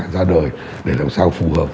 ra đời để làm sao phù hợp